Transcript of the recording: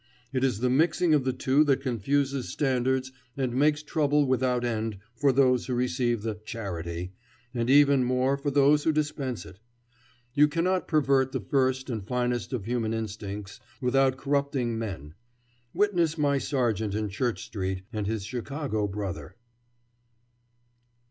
It is the mixing of the two that confuses standards and makes trouble without end for those who receive the "charity," and even more for those who dispense it. You cannot pervert the first and finest of human instincts without corrupting men: witness my sergeant in Church Street and his Chicago brother.